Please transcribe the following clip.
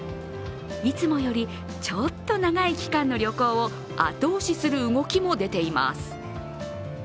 いつもよりちょっと長い期間の旅行を後押しする動きも出ています。